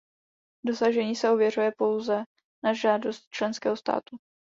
Dosažení se ověřuje pouze na žádost členského státu.